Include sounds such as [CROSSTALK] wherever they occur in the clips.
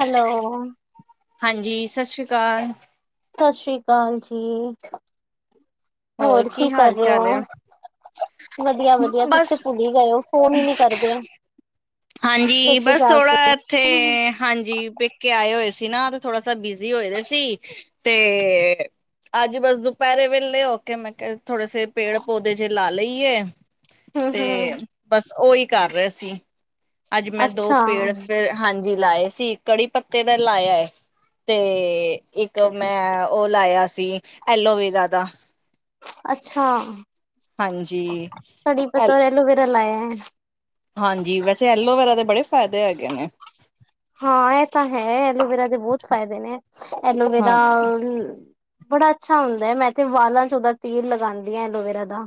Hello. ਹਾਂਜੀ ਸਸ ਸ੍ਰੀ ਕਾਲ। ਸਸ ਸ੍ਰੀ ਕਾਲ ਜੀ, ਹੋਰ ਕੀ ਕਰ ਹਾਲ ਰਹੇ ਚਾਲ ਹੋ। ਹੈ। ਵਧੀਆ-ਵਧੀਆ ਤੁਸੀ ਬਸ ਤੇ ਭੁੱਲ ਹੀ ਗਏ ਹੋ ਫੋਨ ਹੀ ਨੀ ਕਰਦੇ। ਹਾਂਜੀ ਪੇਕੇ ਬਸ ਜਾ ਥੋੜਾ ਕੇ। ਇੱਥੇ ਹੂੰ-ਹੂੰ, ਹਾਂਜੀ ਪੇਕੇ ਆਏ ਹੋਏ ਸ ਸੀ ਨਾ ਤੇ ਥੋੜਾ ਸ ਬਿਜੀ‌ ਹੋਏ ਦੇ ਸੀ ਤੇ ਅਜ ਬਸ ਦੁਪਹਿਰੇ ਵੇਲੇ ਹੋਕੇ ਮੈ ਥੋੜੇ ਸੇ ਪੇੜ-ਪੌਦੇ ਜਿਹੇ ਲਾ ਲਈਏ ਤੇ ਬਸ ਉਹ ਇੱਕ ਕਰ ਰਿਹਾ ਸੀ ਅੱਜ ਮੈਂ ਦੋ ਪੇੜ ਅੱਛਾ-ਅੱਛਾ। ਫਿਰ ਹਾਂਜੀ ਲਾਏ ਸੀ ਕੜੀ ਪੱਤੇ ਦਾ ਲਾਇਆ ਹੈ। ਤੇ ਇੱਕ ਮੈਂ ਉਹ ਲਾਇਆ ਸੀ ਐਲੋਵੇਰਾ ਦਾ। ਅੱਛਾ ਹਾਂਜੀ ਕੜੀ ਐਲ ਪੱਤਾ, ਐਲੋਵੇਰਾ ਲਾਇਆ। ਹਾਂਜੀ ਵੈਸੇ ਐਲੋਵੇੇਰਾ ਦੇ ਬੜੇ ਫਾਇਦੇ ਹੈਗੇ ਨੇ। ਹਾਂ ਇਹ ਤਾਂ ਹੈ ਐਲੋਵੇਰਾ ਦੇ ਬਹੁਤ ਫ਼ਾਇਦੇ ਨੇ ਹਾਂ ਐਲੋਵੇਰਾ ਬੜਾ ਅੱਛਾ ਹੁੰਦਾ ਹੈ ਮੈਂ ਇਥ ਵਾਲਾਂ ਚ ਉਹਦਾ ਤੇਲ ਲਗਾਉਂਦੀ ਹਾਂ ਐਲੋਵੇਰਾ ਦਾ।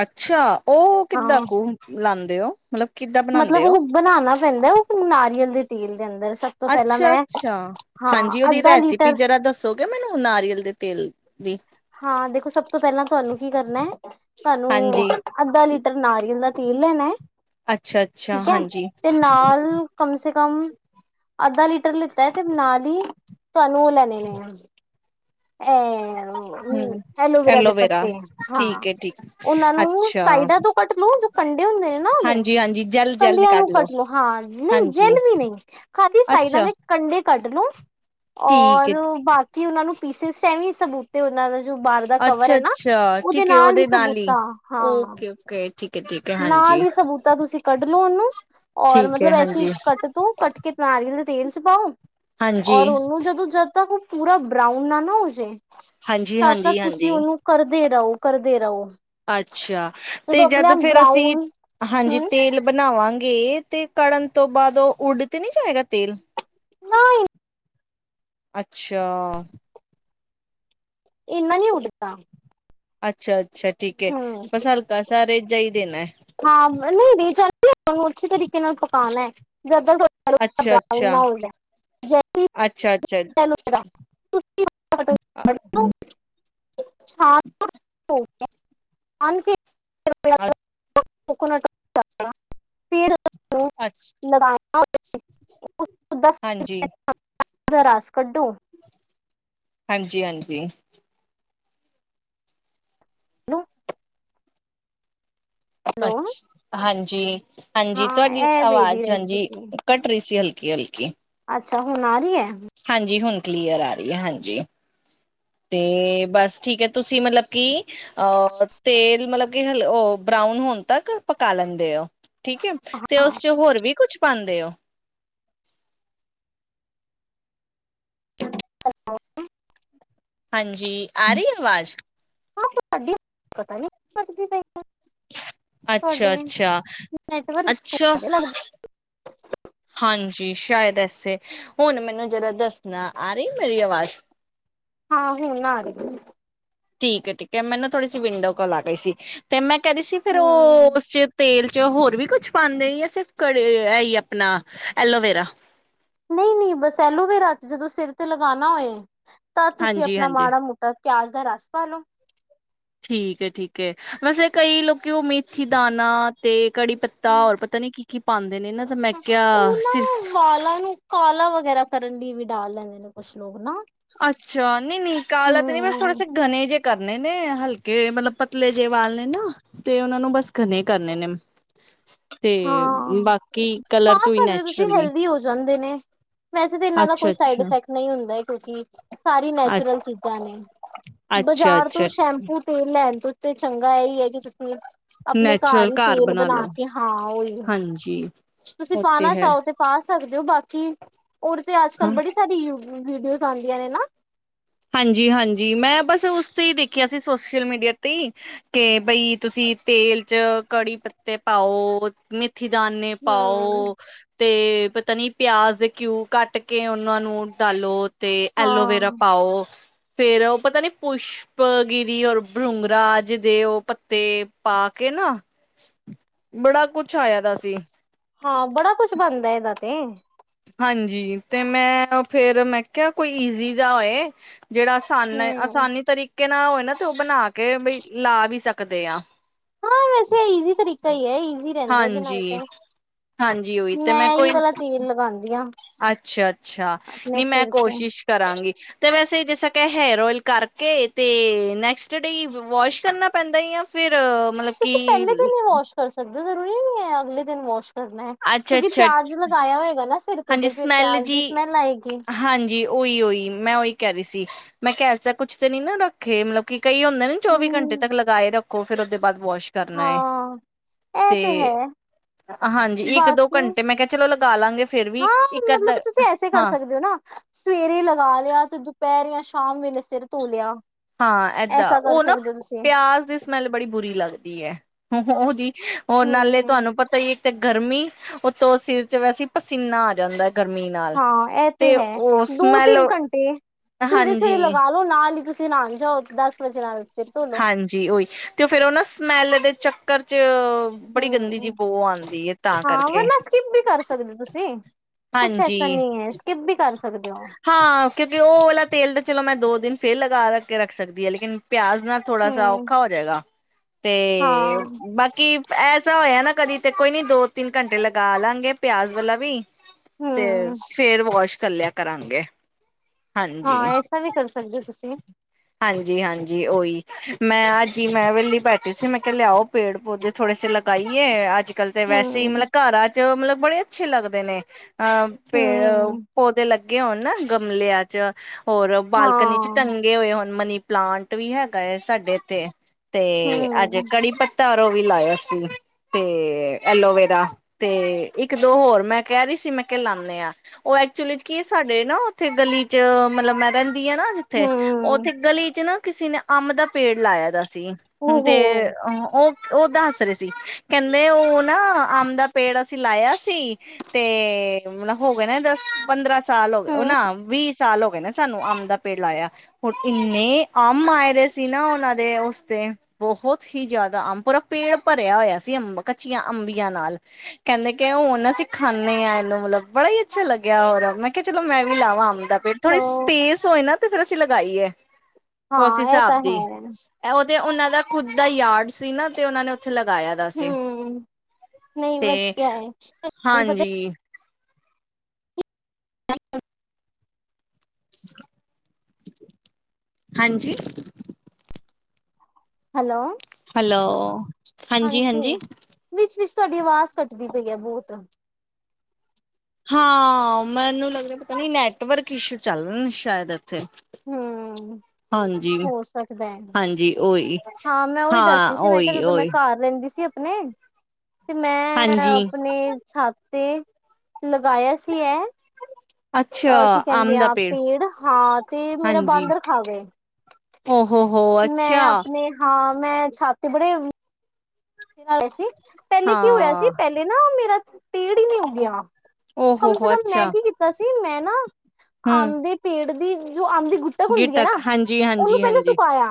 ਅੱਛਾ ਉਹ ਕਿੱਦਾਂ ਹਾਂ, ਕੁ ਲਾਉਦੇ ਹੋ ਮਤਲਬ। ਕਿੱਦਾਂ ਮਤਲਬ ਬਣਾਉਂਦੇ ਹੋ ਉਹ ਬਣਾਉਣਾ ਪੈਂਦਾ ਉਹ ਨਾਰੀਅਲ ਦੇ ਤੇਲ। ਦੇ ਅੰਦਰ ਸਭ ਤੋਂ ਪਹਿਲਾਂ ਅੱਛਾ ਮੈਂ ਅੱਛਾ ਹਾਂ, ਹਾਂਜੀ ਉਹਦੀ ਅੱਧਾ ਲੀਟਰ ਰੈਸਪੀ ਜਰਾ ਦੱਸੋਗੇ ਮੈਨੂੰ ਨਾਰੀਅਲ ਦੇ ਤੇਲ ਦੀ। ਦੀ। ਹਾਂ ਦੇਖੋ ਸਭ ਤੋਂ ਪਹਿਲਾਂ ਤੁਹਾਨੂੰ ਕੀ ਕਰਨਾ ਹੈ? ਤੁਹਾਨੂੰ ਹਾਂਜੀ ਅੱਧਾ ਲੀਟਰ ਨਾਰੀਅਲ ਦਾ ਤੇਲ। ਅੱਛਾ ਅੱਛਾ ਠੀਕ ਹੈ ਹਾਂਜੀ ਤੇ ਨਾਲ ਕਮ। ਤੇ ਕਮ ਅੱਧਾ ਲੀਟਰ ਲਿੱਤਾ ਹੈ ਤੇ ਨਾਲ ਹੀ ਤੁਹਾਨੂੰ ਉਹ ਲੈਣੇ ਆ। ਹਮ ਹੈ। ਐਲੋਵੇਰਾ ਦੇ ਪੱਤੇ ਹਾਂ ਠੀਕ ਹੈ ਠੀਕ ਹੈ। ਉਹਨਾਂ ਨੂੰ ਅੱਛਾ ਸਾਈਡਾਂ ਤੋਂ ਕੱਟ ਲੂ। ਕੰਢੇ ਹੁੰਦੇ ਨੇ ਨਾ ਉਹਦੇ ਹਾਂਜੀ ਹਾਂਜੀ ਜੈਲ ਜੈਲ ਕੰਢਿਆਂ ਨਿਕਾਲ ਨੂੰ ਲੋ ਕੱਟ ਲਓ ਹਾਂ ਨਹੀਂ ਹਾਂਜੀ ਜੇਲ ਵੀ ਨਹੀਂ ਖਾਧੀ। ਸਾਈਡਾਂ ਅੱਛਾ ਦੇ ਕੰਢੇ ਕੱਢ ਲਓ ਠੀਕ ਔਰ ਹੈ ਬਾਕੀ ਉਹਨਾਂ ਨੂੰ। ਪੀਸਿਸ ਚ ਐਵੇਂ ਸਬੂਤ ਉਹਨਾਂ ਦਾ। ਜੋ ਬਾਹਰ ਦਾ ਕਵਰ ਅੱਛਾ ਹੈ ਨਾ ਅੱਛਾ ਉਹਦੇ ਠੀਕ ਹੈ ਨਾਲ ਹੀ ਸਬੂਤਾਂ ਹਾਂ। ਓਕੇ ਓਕੇ ਠੀਕ ਹੈ ਠੀਕ ਹੈ ਨਾਲ ਹਾਂਜੀ ਹੀ ਸਬੂਤਾ ਤੁਸੀਂ ਕੱਢ ਲਓ ਉਹਨੂੰ। ਔਰ ਠੀਕ ਹੈ ਮਤਲਬ ਐਸੀ ਹਾਂਜੀ ਕੱਟ ਤੂੰ ਕੱਟ ਕੇ ਬਣਾ ਰਹੀ। ਤੇਲ ਚ ਪਾਓ ਹਾਂਜੀ, ਔਰ ਉਹਨੂੰ ਜਦੋਂ ਜਦ ਤੱਕ ਉਹ ਪੂਰਾ ਬਰਾਊਨ ਨਾ ਨਾ ਹੋ ਜੇ। ਤਦ ਤਕ ਤੁਸੀਂ ਹਾਂਜੀ-ਹਾਂਜੀ-ਹਾਂਜੀ, ਉਹਨੂੰ ਕਰਦੇ ਰਹੋ ਕਰਦੇ ਰਹੋ। ਅੱਛਾ ਜਦੋਂ ਤੇ ਆਪਣੇ ਜਦ ਆਪ ਫਿਰ ਅਸੀਂ ਬਰਾਊਨ ਹਾਂਜੀ ਹਮ ਤੇਲ ਬਣਾਵਾਂ। ਕਰਾਂਗੇ ਤੇ ਕੜਨ ਤੋਂ ਬਾਅਦ ਉਹ ਉੱਡ ਤੇ ਨਹੀਂ ਜਾਏਗਾ ਤੇਲ। ਨਹੀਂ। ਅੱਛਾ। ਇਹਨਾ ਨਹੀਂ ਉਡਦਾ। ਅੱਛਾ ਅੱਛਾ ਠੀਕ ਹੈ। ਬਸ ਹਲਕਾ ਸਾ ਰੇਜਾ ਹੀ ਦੇਣਾ ਹੈ। ਹਾਂ ਨਹੀਂ ਰੇਜਾ ਨੀ ਅੱਛੇ ਤਰੀਕੇ ਨਾਲ ਪਕਾਉਣਾ ਹੈ। ਜਦੋ ਤਕ ਬਰਾਊਨ ਨਾ ਅੱਛਾ-ਅੱਛਾ, ਹੋ ਜਾ ਜਸੀ। [UNINTELLIGIBLE] [UNINTELLIGIBLE] ਅੱਛਾ-ਅੱਛਾ, ਸ਼ ਗ। ਅੱ [INAUDIBLE] [INAUDIBLE] ਕੋਕੋਨਟ ਫਰ ਅੱਛਾ। ਹਾਂ ਹਾਂਜੀ। ਦਾ ਰਸ ਕੱਢੋ। ਹਾਂਜੀ ਹਾਂਜੀ। ਹੈ। ਅੱਛ ਹਾਂਜੀ। ਹਾਂ ਹਾਂਜੀ ਤੁਹਾਡੀ ਇਹ ਮੇਰੀ ਆਵਾਜ਼ ਹਾਂਜੀ ਰੈਸਪੀ ਘਟ ਰਹੀ ਸੀ ਹਲਕੀ ਹਲਕੀ। ਚਾਹੁ ਨਾਰੀ ਹੈ। ਹਾਂਜੀ ਹੁਣ ਕਲੀਅਰ ਆ ਰਹੀ ਹੈ ਹਾਂਜੀ। ਤੇ ਬਸ ਠੀਕ ਹੈ ਤੁਸੀਂ ਮਤਲਬ ਕਿ ਅਹ ਤੇਲ ਮਤਲਬ ਕਿ ਹਲ ਉਹ। ਬਰਾਊਨ ਹੋਣ ਤੱਕ ਪਕਾ ਲੈਂਦੇ ਹੋ। ਠੀਕ ਹੈ ਤੇ ਉਸ ਚ ਹੋਰ ਵੀ ਕੁਛ ਪਾਉਂਦੇ ਹੋ। [INAUDIBLE] [UNINTELLIGIBLE] [INAUDIBLE] [UNINTELLIGIBLE] ਹਾਂਜੀ ਆ ਰਹੀ ਆਵਾਜ਼ ਸਾਡੀ ਪਤਾ ਨੀ। ਪਕ ਦੀ ਪਈ ਆ। ਅੱਛਾ ਅੱਛਾ ਨੈਟਵਰਕ ਅੱਛਾ ਸ਼ੁਰੂ ਲੱਗ ਹਾਂਜੀ। ਜੀ ਸ਼ਾਇਦ ਐਸੇ ਹੁਣ ਮੈਨੂੰ ਜਦ ਦੱਸਣਾ ਆ ਰਹੀ ਮੇਰੀ ਆਵਾਜ਼। ਹਾਂ ਹੁਣ ਆ ਰਹੀ। ਠੀਕ ਠੀਕ ਹੈ ਮੈ ਨਾ ਥੋੜੀ ਜ ਵਿੰਡੋ ਕੋਲ ਆ ਗਈ ਸੀ ਤੇ ਮੈਂ ਕਹਿੰਦੀ ਸੀ ਫ਼ਿਰ ਹਮ ਉਹ ਉਸ ਚ ਤੇਲ। ਹੋਰ ਵੀ ਕੁਛ ਪਾਂਦੇ ਹੀ ਆ ਸਿਰਫ ਕੜੇ ਹੈ ਹੀ ਆਪਣਾ ਐਲੋਵੇਰਾ ਨਹੀਂ ਨਹੀਂ ਬਸੈਲੋ ਵੀ ਰਾਤ ਜਦੋਂ ਸਿਰ ਤੇ ਲਗਾਾ ਹੋਏ ਤਾਂ ਤੁਸੀਂ ਹਾਂਜੀ ਆਪਣਾ ਹਾਂਜੀ ਮਾੜਾ ਮੋਟਾ ਪਿਆਜ ਦਾ ਰਸ ਪਾਾਲੋ ਠੀਕ ਠੀਕ ਹੈ ਵੈਸੇ ਕਈ ਲੋਕੀ ਉਹ ਮੇਥੀ ਦਾਾਨ ਤੇ ਕੜੀ ਪੱਤਾ ਹੋਰ ਪਤਾ ਨੀ ਕੀ ਕੀ ਪ ਪਾਉਂਦਾ ਉਹਨਾਂ ਵਾਲਾਂ ਨੂੰ ਕਾਲਾ ਵ ਵਗੈਰਾ ਕਰਨ ਲਈ ਵੀ ਡਾਲ ਲੈਂਦੇ ਨੇ ਕੁਛ ਲੋਕ ਨਾ ਅੱਛਾ ਨਹੀਂ ਨਿਕਾਲਤ ਨਹੀਂ ਬਸ ਥੋੜੇ ਹੂੰ। ਸੇ ਗਣੇ ਜਿ ਕਰਨੇ ਨੇ ਹਲਕੇ ਮਤਲਬ ਪਤਲੇ ਜਿਹੇ ਵਾਲ ਨੇ ਨਾ ਤੇ ਉਹਨਾ ਨੂੰ ਬਸ ਕਰਨੇ ਕਰਨੇ ਨੇ ਤੇ ਹਾਂ ਬਾਕੀ ਕਲਰ ਖ ਤੋਂ ਹੀ ਸਕਦੇ ਤੁਸੀਂ ਨੈਚੁਰਲੀ ਹੈਲਦੀ ਹੋ ਜਾਂਦੇ ਨੇ ਵੈਸੇ ਤਾਂ ਇਹਨਾਂ ਦਾ ਅੱਛਾ ਕੋਈ ਸਾਈਡ ਅੱਛਾ ਇਫੈਕਟ ਨਹੀਂ ਹੁੰਦਾ ਕਿਉਂਕਿ ਸਾਰੀ ਨੈਚੁਰਲ ਚੀਜ਼ਾਂ ਨੇ ਅੱਛਾ ਬਜ਼ਾਰ ਤੋਂ ਅੱਛਾ ਸ਼ੈਂਪੂ ਤੇ ਲੈਣ ਤੋਂ ਤੇ ਚੰਗਾ ਇਹੀ ਹੈ ਕਿ ਤੁਸੀਂ ਆਪਣੇ ਨੈਚੁਰਲ ਹੀ ਘਰ ਤੇਲ ਬਣਾ ਲੋ ਕੇ ਹਾਂ ਉਹੀ ਹਾਂਜੀ ਤੁਸੀਂ ਉਹ ਪਾਣਾ ਹੈ ਚਾਹੋ ਤੇ ਪਾ ਸਕਦੇ ਹੋ ਬਾਕੀ ਹੋਰ ਤੇ ਅੱਜ ਹਾਂ ਕੱਲ ਬੜੀ ਸਾਰੀ ਯ ਵੀਡੀਓ ਆਉਂਦੀਆਂ ਨੇ ਨਾ ਹਾਂਜੀ ਹਾਂਜੀ ਮੈਂ ਬਸ ਉਸ ਤੇ ਹੀ ਦੇਖਿਆ ਸੀ ਸੋਸ਼ਲ ਮੀਡੀਆ ਤੇ ਹੀ ਕੇ ਬਈ ਤੁਸੀਂ ਤੇਲ ਚ ਕੜੀ ਪੱਤੇ ਪਾਓ ਮ ਮਥੀ ਦਾਨੇ ਹੂੰ। ਪਾਓ ਤੇ ਪਤਾ ਨੀ ਪਿਆਜ਼ ਦੇ ਘਿਊ ਕੱਟ ਕੇ ਉਹਨਾਂ ਨੂੰ ਡਾਲੋ ਤੇ ਐਲੋਵੇਰਾ ਹਾਂ ਆਹੋ ਫੇਰ ਉਹ ਪਤਾ ਨੀ ਪੁਸ਼ਪ ਗਿਰੀ ਔਰ ਭਰੂੰਗਰਾਜ ਦੇ ਉਹ ਪੱਤੇ ਪਾਕ ਨਾ ਬੜਾ ਕੁਛ ਆਇਆ ਦਾ ਸੀ। ਹਾਂ ਬੜਾ ਕੁਛ ਬਣਦਾ ਏਦਾ ਤੇ ਹਾਂਜੀ ਤੇ ਮੈਂ ਫੇਰ ਮੈਂ ਕਿਹਾ ਕੋਈ ਈਜ਼ੀ ਜਾਹਾ ਹੋਏ ਜਿਹੜਾ ਆਸਾਨ ਹੂੰ। ਆਸਾਨੀ ਤਰੀਕੇ ਨਾਲ ਹੋਵੇ ਨਾ ਤੇ ਉਹ ਬਣਾ ਕੇ ਬਈ ਲਾ ਵੀ ਸਕਦੇ ਆ ਹਾਂ ਵੈਸੇ ਈਜ਼ੀ ਤਰੀਕਾ ਹੀ ਹੈ ਈਜ਼ੀ ਰਹਿੰਦਾ ਇਹਦੇ ਨਾਲ ਤੇ ਹਾਂਜੀ ਹਾਂਜੀ ਉਹੀ ਤੇ ਮੈਂ ਹੀ ਕੋਈ ਵਾਲਾ ਤੇਲ ਲਗਾਉਂਦੀ ਹਾਂ ਅੱਛਾ ਅੱਛਾ ਆਪਣੇ ਨੀ ਮੈਂ ਸਿਰ 'ਚ ਕੋਸ਼ਿਸ਼ ਕਰਾਂਗੀ ਤੇ ਵੈਸੇ ਜੈਸਾ ਕ ਹੇਅਰ ਓਇਲ ਕਰਕੇ ਤੇ ਨੈਕਸਟ ਡੇ ਵਾਸ਼ ਕਰਨਾ ਪੈਂਦਾ ਆ ਫੇਿਰ ਤੁਸੀਂ ਪਹਿਲੇ ਦਿ ਵਾਸ਼ ਕਰ ਸਕਦੇ ਜ਼ਰੂਰੀ ਨੀ ਹੈ ਅਗਲੇ ਦਿਨ ਵਾਸ਼ ਕਰਨਾ ਹੈ ਅੱਛਾ ਕਿਉਂਕਿ ਅੱਛਾ ਪਿਆਜ ਲਗਾਇਆ ਹੋਏਗਾ ਨਾ ਸਿਰ ਤੇ ਹਾਂਜੀ ਤੇ ਫਿਰ ਸਮੈਲ ਪਿਆਜ ਦੀ ਜੀ ਸਮੈਲ ਆਏਗੀ ਹਾਂਜੀ ਉਹੀ ਉਹੀ ਮੈਂ ਉਹੀ ਕਹਿ ਰਹੀ ਸੀ। ਮੈਂ ਕਹਿ ਐਸਾ ਕੁੱਛ ਤੇ ਨੀ ਨਾ ਰੱਖੇ ਮਤਲਬ ਕਿ ਕਈ ਹੁੰਦੇ ਨਾ ਚੌਵੀ ਘੰਟੇ ਹਮ ਤੱਕ ਲਗਾਏ ਰੱਖੋ ਫੇਰ ਉਹਦੇ ਬਾਦ ਵੋਸ਼ ਕਰਨਾ ਏ। ਹਾਂ ਇਹ ਤੇ ਹੈ ਹਾਂਜੀ ਇੱਕ ਦੋ ਬਾਕੀ ਘੰਟੇ ਮੈਂ ਕਿਹਾ ਚਲੋ ਲ ਹਾਂ ਮਲ ਮਤਲਬ ਤੁਸੀਂ ਐਸੇ ਕਰ ਹਾਂ ਸਕਦੇ ਹੋ ਨਾ ਸਵੇਰੇ ਲਗਾ ਲਿਆ ਤੇ ਦੁਪਹਿਰ ਯਾਂ ਸ਼ ਸ਼ਾਮ ਵੇਲੇ ਸਿਰ ਧੋ ਲਿਆ। ਹਾਂ ਏਦਾਂ ਐਸਾ ਕਰ ਉਹ ਨਾ ਸਕਦੇ ਹੋ ਤੁਸੀਂ ਪਿਆਜ ਦੀ ਸਮੈਲ ਬੜੀ ਬੁਰੀ ਲੱਗਦੀ ਅ ਓਹਦੀ ਔਰ ਨਾਲੇ ਹਮ ਤੁਹਾਨੂੰ ਪਤਾ ਈ ਇੱਕ ਤੇ ਗਰਮੀ ਉਤੋਂ ਸਿਰ ਚ ਵੈਸੇ ਈ ਪਸੀਨਾ ਆ ਜਾਂਦਾ ਅ ਹਾਂ ਇਹ ਤੇ ਹੈ ਦੋ ਸਮੈਲ ਤਿੰਨ ਘੰਟੇ ਸਵੇਰੇ ਸਵੇਰੇ ਹਾਂਜੀ ਲਗਾ ਲਓ ਨਾਲ ਹੀ ਤੁਸੀਂ ਨਾਣ ਜਾਓ ਤੇ ਦੱਸ ਹਾਂਜੀ ਓਹੀ ਤੇ ਉਹ ਫਿਰ ਉਹ ਨਾ ਸਮੈਲ ਦੇ ਚੱਕਰ ਚ ਬੜੀ ਗੰਦੀ ਹਮ ਜਿਹੀ ਬੋ ਆਉਂਦੀ ਹੈ ਤਾਂ ਹਾਂ ਵਰ ਕਰਕੇ ਨਾ ਸਕਿਪ ਬੀ ਕਰ ਸਕਦੇ ਤੁਸੀਂ। ਕੁੱਛ ਹਾਂਜੀ ਐਸਾ ਨਹੀਂ ਐ ਸਕਿੱਪ ਬੀ ਕਰ ਸ ਹਾਂ ਕਿਉਂਕਿ ਉਹ ਵਾਲਾ ਤੇਲ ਤਾਂ ਚਲੋ ਮੈਂ ਦੋ ਦਿਨ ਫਿਰ ਲਗਾ ਰੱਖ ਕੇ ਰੱਖ ਸਕਦੀ ਆ ਲੇਕਿਨ ਪਿਆਜ਼ ਨਾਲ ਥੋੜਾ ਸਾ ਹੂੰ ਔਖਾ ਔ ਜਾਏਗਾ ਤੇ ਹਾਂ ਬਾਕੀ ਐਸਾ ਹੋਇਆ ਨਾ ਕਦੀ ਤੇ ਕੋਈ ਨੀ ਦੋ ਤਿੰਨ ਘੰਟੇ ਲਗਾ ਲਾਂਗੇ ਪਿਆਜ਼ ਵਾਲਾ ਵੀ ਤੇ ਹੂੰ ਫੇਰ ਵੋਸ਼ ਕਰਲਿਆ ਕਰਾਂਗੇ। ਹਾਂ, ਹਾਂਜੀ ਐਸਾ ਵੀ ਕਰ ਸਕਦੇ ਔ ਤੁਸੀਂ। ਹਾਂਜੀ ਹਾਂਜੀ ਓਹੀ ਮੈਂ ਹਾਜੀ ਮੈਂ ਵੇਹਲੀ ਬੈਠੀ ਸੀ ਮੈਂ ਕਿਹਾ ਲਿਆਓ ਪੇੜ ਪੌਦੇ ਥੋੜੇ ਪਾਈਏ ਅੱਜ ਕੱਲ ਤੇ ਵੈਸੇ ਈ ਹੂੰ ਮਤਲਬ ਘਰਾਂ ਚ ਮਤਲਬ ਬੜੇ ਅੱਛੇ ਲੱਗਦੇ ਨੇ। ਅਹ ਪੇੜ ਹੂੰ ਪੌਦੇ ਲੱਗੇ ਹੋਣ ਨਾ ਗਮਲਿਆਂ ਚ। ਹੋਰ ਬਾਲਕਨੀ ਚ ਹਾਂ ਟੰਗੇ ਹੋਏ ਹੋਣ। ਮਨੀ ਪਲਾਂਟ ਵੀ ਹੈਗਾ ਅ ਸਾਡੇ ਇੱਥੇ। ਤੇ ਅੱਜੇ ਹੂੰ ਕੜੀ ਪੱਤਾ। ਤਾਰੋ ਵੀ ਲਾਇਆ ਸੀ ਤੇ ਐਲੋਵੇਰਾ ਤੇ ਇੱਕ ਦੋ ਹੋਰ ਮੈਂ ਕਹਿ ਰਹੀ। ਸੀ ਮੈਂ ਕਿਹਾ ਲਾਣੇ ਆ ਉਹ ਐਕਚੁਲੀ ਚ ਕੀ ਅ ਸਾਡੇ ਨਾ ਉੱਥੇ ਗਲੀ ਚ ਮਤਲਬ ਮੈਂ। ਦੀ ਆ ਨਾ ਜਿੱਥੇ ਹੂੰ ਉੱਥੇ ਗਲੀ ਚ ਨਾ ਕਿਸੇ ਨੇ ਅਮ ਦਾ ਪੇੜ ਲਾਇਆ ਸੀ ਦੀ ਹੈ ਓਹੋ ਤੇ ਉਹ ਔਹ। ਉਹ ਦੱਸ ਰਹੇ ਸੀ ਕਹਿੰਦੇ ਉਹ ਨਾ ਅੰਬ ਦਾ ਪੇੜ ਅਸੀਂ ਲਾਇਆ ਸੀ ਤੇ। ਹੁਣ ਹੋ ਗਏ ਨਾ ਦਸ ਪੰਦਰਾਂ ਸਾਲ ਔ ਹੂੰ ਨਾ ਵੀਹ ਸਾਲ ਹੋ ਗਏ ਨੇ ਸਾਨੂੰ ਅੰਬ ਦਾ ਪੇੜ ਲਾਇਆ। ਹੁਣ ਇੰਨੇ ਅਮ ਆਏ ਦੇ ਸੀ ਨਾ ਉਹਨਾਂ ਦੇ ਉਸਤੇ ਬਹੁਤ ਹੀ ਜ਼ਿਆਦਾ ਅੰਬ ਪੂਰਾ ਪ ਭਰਿਆ ਹੋਇਆ ਸੀ ਅੰਬ ਕੱਚੀਆਂ ਅੰਬੀਆਂ ਨਾਲ ਕਹਿੰਦੇ ਕੇ ਹੁਣ ਅਸੀਂ ਖਾਨੇ ਆ ਇਹਨੂੰ ਮਤਲਬ ਕਿ ਬੜਾ ਈ ਅੱਛਾ ਲੱਗਿਆ ਔਰ ਮੈਂ ਕਿਹਾ ਚਲੋ ਮੈਂ ਵੀ ਲਾਵਾਂ ਅਮ। ਤੇ ਫਿਰ ਥੋੜੀ ਹੈਲੋ ਸਪੇਸ ਹੋਏ ਨਾ ਤੇ ਫੇਰ ਅਸੀਂ ਲਗਾਈਏ। ਉਸ ਹਾਂ ਇਹ ਹਿਸਾਬ ਤਾਂ ਦੀ ਹੈ ਏ ਉਹ। ਤੇ ਉਹਨਾਂ ਦਾ ਖੁੱਦ ਦਾ ਆਰਡ ਸੀ ਨਾ ਤੇ ਉਹਨਾਂ ਨੇ ਔਥੇ। 'ਚ ਲਗਾਇਆ ਦਾ ਸੀ ਹੂੰ ਨਹੀਂ ਤੇ ਵਧੀਆ ਹੈ ਤੁਹਾਨੂੰ ਪਤਾ ਹਾਂਜੀ। ਆ ਅ। ਹਾਂਜੀ। ਹੈਲੋ। ਹੈਲੋ ਹਾਂਜੀ ਹਾਂਜੀ। ਵਿੱਚ-ਵਿਚ ਤੁਹਾਡੀ ਆਵਾਜ਼ ਕੱਟਦੀ ਪਈ ਅ ਬਹੁਤ। ਹਾਂ ਮੈਨੂੰ ਲੱਗਦਾ ਅ ਪਤਾ ਨੀ ਨੈਟਵਰਕ ਇਸ਼ੂ ਚੱਲ ਰਹੇ ਨੇ ਸ਼ਾਇਦ। ਹਮ। ਹਾਂਜੀ ਹੋ ਸਕਦਾ ਏ ਹਾਂਜੀ ਉਹੀ ਹਾਂ ਮੈਂ ਉਹੀ ਹਾਂ ਦੱਸਦੀ ਸੀ ਮੈਂ ਕਿਹਾ ਉਹੀ ਜਦੋਂ ਮੈਂ ਉਹੀ ਘਰ ਰਹਿੰਦੀ ਸੀ। ਨਹੀ ਤੇ ਮੈਂ ਹਾਂਜੀ ਆਪਣੇ ਛ। ਤੇ ਲਗਾਇਆ ਸੀ ਇਹ। ਅੱਛਾ ਅਹ ਕੀ ਕਹਿੰਦੇ ਅੰਬ ਦਾ ਆ ਪੇੜ [UNINTELLIGIBLE] ਹਾਂ ਤੇ ਮੇਰਾ ਹਾਂਜੀ ਬਾਂਦਰ ਖਾਗੇ। ਓ ਹੋ ਹੋ ਮੈਂ ਅੱਛਾ ਆਪਣੇ ਹਾਂ ਮੈਂ ਛੱਤ ਬੜੇ। ਏ ਸੀ ਪਹਿਲੇ ਕੀ ਹੋਇਆ ਸੀ ਹਾਂ ਪਹਿਲੇ ਨਾ ਮੇਰਾ ਪੇੜ ਈ ਨੀ ਉਗਿਆ। ਓ ਹੋ ਕਮ ਸੇ ਹੋ ਕਮ ਮੈਂ ਅੱਛਾ ਕੀ ਕੀਤਾ ਸੀ ਮੈਂ ਨਾ ਹੂੰ ਆਮ ਦੇ ਪੇੜ ਦੀ। ਜੋ ਅੰਬ ਦੀ ਗੁੱਟਕ ਹੁੰਦੀ ਆ ਨਾ ਗਿਟਕ ਹਾਂਜੀ ਉਹਨੂੰ ਹਾਂਜੀ ਪਹਿਲੇ ਹਾਂਜੀ ਸੁਕਾਇਆ।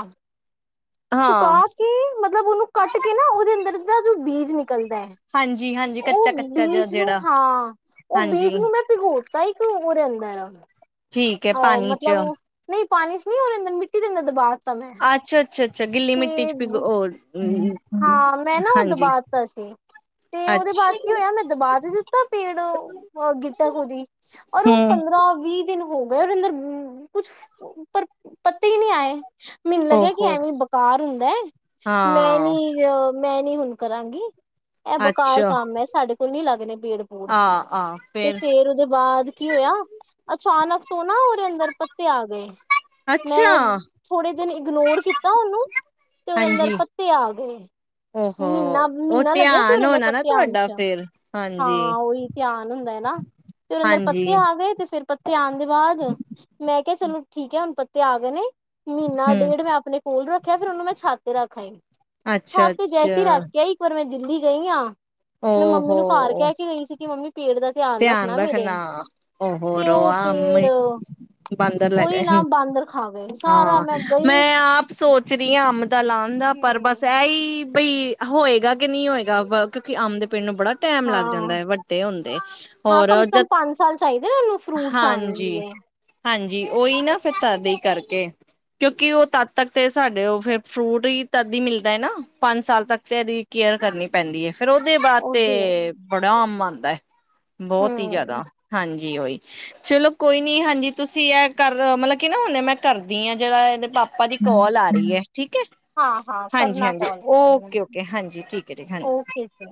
ਸੁਕਾ ਹਾਂ ਕੇ ਮਤਲਬ ਉਹਨੂੰ ਕੱਟ ਕੇ ਨਾ ਉਹਦੇ ਅੰਦਰ ਦਾ ਜੋ ਬੀਜ ਨਿਕਲਦਾ ਹੈ। ਹਾਂਜੀ ਹਾਂਜੀ ਕੱਚਾ ਉਹ ਕੱਚਾ ਜਿਹਾ ਬੀਜ ਨੂੰ ਜਿਹੜਾ ਹਾਂ ਉਹ ਹਾਂਜੀ ਬੀਜ ਨੂੰ ਮੈਂ ਭਿਗੋਤਾ ਹੀ ਇੱਕ ਹੋ ਰਿਹਾ ਇਹ। ਠੀਕ ਹੈ ਅਹ ਪਾਣੀ ਚ ਮਤਲਬ ਨਹੀਂ। ਪਾਣੀ ਚ ਨੀ ਉਹਦੇ ਰਹਿੰਦੇ ਮਿੱਟੀ ਦੇ ਅੰਦਰ ਦਬਾ ਦਿੱਤਾ ਮੈਂ। ਅੱਛਾ ਅੱਛਾ ਅੱਛਾ ਗਿੱਲੀ ਮਿੱਟੀ ਤੇ ਚ ਭਿਗੋ ਓ ਹਾਂ ਮੈਂ ਨਾ ਉਹ ਹਾਂਜੀ ਦੁਬਾ ਤਾ ਸੀ। ਤੇ ਉਹਦੇ ਬਾਅਦ ਅੱਛਾ ਕੀ ਹੋਇਆ ਮੈਂ ਦਬਾ ਦੇ ਦਿੱਤਾ ਪੇੜ ਗਿੱਟਕ ਉਹਦੀ ਔਰ ਉਹ ਪੰਦਰਾਂ। ਹੂੰ ਪੰਦਰਾਂ ਵੀਹ ਦਿਨ ਹੋ ਗਏ। ਏ ਅੰਦਰ ਕੁਛ ਪਰ ਪੱਤੇ ਹੀ ਨਹੀਂ ਆਏ ਮੈਨੂੰ ਲੱਗਿਆ ਕਿ ਓਹੋ ਐਵੇਂ ਬਾਹਰ ਹੁੰਦਾ ਮੈਂ ਹਾਂ ਨੀ ਮੈਂ ਨੀ ਹੁਣ ਕਰਾਂਗੀ। ਇਹ ਬੇਕਾਰ ਅੱਛਾ ਕੰਮ ਹੈ ਸਾਡੇ ਕੋਲ ਨੀ ਲੱਗਣੇ। ਪੇੜ ਪੂੜ ਆ ਆ ਤੇ ਫੇਰ ਉਹਦੇ ਬਾਅਦ ਕੀ ਹੋਇਆ ਅਚਾਨਕ ਤੋਂ ਨਾ ਉਹਦੇ ਅੰਦਰ। ਪੱਤੇ ਆ ਗਏ ਅੱਛਾ ਮੈਂ ਥੋੜੇ ਦਿਨ ਇਗਨੋਰ ਕੀਤਾ ਉਹਨੂੰ ਤੇ ਉਹਰ ਅੰਦਰ ਹਾਂਜੀ ਪੱਤੇ ਆ ਗਏ। ਓਹੋ ਮਹੀਨਾ ਉਹ ਮਹੀਨਾ ਲੱਗਿਆ ਸੀ ਧਿਆਨ ਉਹਦੇ ਹੋਣਾ ਨਾ ਪੱਤੇ ਆਣ ਤੁਹਾਡਾ ਚ ਫੇਰ ਹਾਂਜੀ ਹਾਂ ਉਹੀ ਧਿਆਨ ਹੁੰਦਾ। ਹੈ ਨਾ ਤੇ ਉਹਦੇ ਅੰਦਰ ਹਾਂਜੀ ਪੱਤੇ ਆ ਗਏ ਤੇ। ਫੇਰ ਪੱਤੇ ਆਉਣ ਦੇ ਬਾਅਦ ਮੈਂ ਕਿਹਾ ਚਲੋ ਠੀਕ ਹੈ ਹੁਣ ਪੱਤੇ ਆ ਗਏ ਨੇ। ਮਹੀਨਾ ਹੂੰ ਡੇਢ ਮੈਂ ਆਪਣੇ ਕੋਲ ਰੱਖ ਮੈਂ ਛੱਤ ਤੇ ਰੱਖ ਆਈ ਅੱਛਾ ਛੱਤ ਜੈਸੀ ਅੱਛਾ ਰੱਖ ਕੇ ਆ ਇੱਕ ਵਾਰ ਮੈਂ ਦਿੱਲੀ ਗਈ ਹਾਂ। ਹੋੋ ਮੈਂ ਮੰਮੀ ਹੋ। ਨੂੰ ਘਰ ਕਹਿ ਕੇ ਗਈ ਸੀ ਕਿ ਮੰਮੀ ਪੇਟ ਦਾ ਧਿਆਨ ਮੇਰੇ ਰੱਖਣਾ ਤੇ ਹੋਰ ਉਹ ਆਮ। ਪੇੜ ਬਾਂਦਰ ਲੈ ਉਹੀ ਨਾ ਗਏ ਬਾਂਦਰ ਖਾ ਗਏ ਸਾਰਾ ਹਾਂ ਗਈ ਮੈਂ ਆਪ ਸੋਚ। ਸਰੀਆਂ ਅੰਮ ਤਾਂ ਲਾਉਣ ਦਾ ਪਰ ਬਸ ਹਮ ਇਹ ਹੀ। ਬਈ ਹੋਏਗਾ ਕਿ ਨਹੀਂ ਹੋਏਗਾ ਕਿਉਂਕਿ ਆਮ ਦੇ ਪਿੰਣ ਨੂੰ ਬੜਾ ਟੈਮ ਲੱਗ ਜਾਂਦਾ ਹਾਂ ਹੈ ਵੱਡੇ ਹੁੰਣਦੇ। ਹਾਂ ਕਮ ਸੇ ਕਮ ਪੰਜ ਸਾਲ ਚਾਹੀਦੇ ਉਹਨੂੰ ਫਰੂਟਸ ਆਉਣ ਹਾਂਜੀ ਲਈ। ਹਾਂਜੀ ਉਹੀ ਨਾ ਫਿਰ ਤਰਦੀ ਕਰਕੇ ਕਿਉਂਕਿ ਉਹ ਤਦ ਤੱਕ ਤੇ ਸਾਡੇ ਉਹ ਫਿਰ ਫਰੂਟ ਹੀ। ਤਦੀ ਮਿਲਦਾ ਹੈ ਨਾ ਪੰਜ ਸਾਲ ਤੱਕ ਤੇ ਇਹਦੀ ਕੇਅਰ ਕਰਨੀ ਪੈਂਦੀ ਹੈ। ਫਿਰ ਉਹਦੇ ਬਾਅਦ ਤੇ ਉਹਦੇ ਬੜਾ ਆਮ ਆਉਂਦਾ ਹੈ ਬਹੁਤ ਹੀ ਹਮ ਜਿਆਦਾ ਹਾਂਜੀ। ਕੀ ਹੋਈ ਚਲੋ ਕੋਈ ਨੀ ਹਾਂਜੀ ਤੁਸੀਂ ਇਹ ਕਰ ਮਤਲਬ ਕੀ ਨਾ ਹੁਣੇ ਮੈਂ ਕਰਦੀ ਹਾਂ ਜਿਹੜਾ ਇਹਦੇ ਪਾਪਾ। ਆਪਾਂ ਦੀ ਕਾਲ ਆ ਰਹੀ ਹੈ ਠੀਕ ਹੈ। ਹਾਂ ਹਾਂ ਹਾਂਜੀ ਕਰਨਾ ਹਾਂਜੀ ਕਾਲ ਤੁਸੀਂ ਓਕੇ ਮੈਨੂੰ ਓਕੇ ਹਾਂਜੀ ਠੀਕ ਹੈ ਜੀ ਹਾਂਜੀ। ਓਕੇ ਜੀ